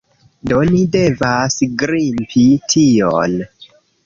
Do ni devas grimpi tion.